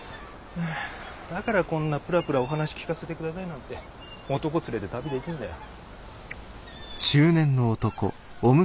だからこんなプラプラお話聞かせてくださいなんて男連れて旅できんだよ。